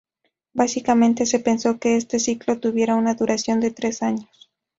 Básicamente, se pensó que este ciclo tuviera una duración de tres años.